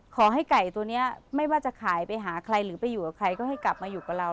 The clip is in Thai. ไก่ตัวนี้ไม่ว่าจะขายไปหาใครหรือไปอยู่กับใครก็ให้กลับมาอยู่กับเรา